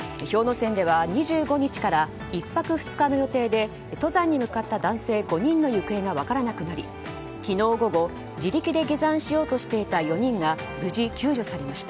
山では２５日から１泊２日の予定で登山に向かった男性５人の行方が分からなくなり昨日午後、自力で下山しようとしていた４人が無事救助されました。